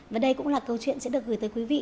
và đây cũng là câu chuyện sẽ được gửi tới quý vị